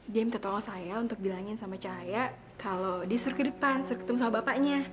dia minta tolong saya untuk bilangin sama cahaya kalau dia suruh ke depan suruh ketemu sama bapaknya